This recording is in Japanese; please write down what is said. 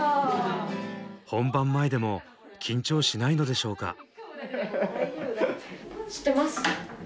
本番前でも緊張しないのでしょうか？